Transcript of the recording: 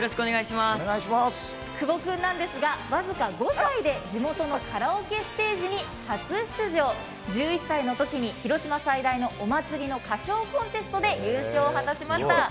久保君なんですが、僅か５歳で地元のカラオケステージに初出場、１１歳のときに広島最大のお祭りの歌唱コンテストで優勝を果たしました。